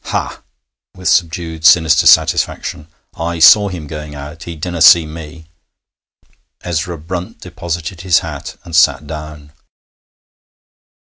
'Ha!' with subdued, sinister satisfaction, 'I saw him going out. He didna see me.' Ezra Brunt deposited his hat and sat down.